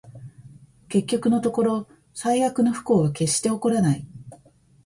結局のところ、最悪の不幸は決して起こらない